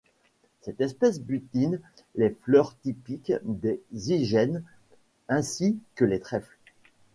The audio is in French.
Cette espèce butine les fleurs typiques des zygènes ainsi que les trèfles.